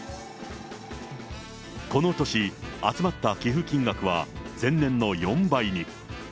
この年、集まった寄付金額は前年の４倍に。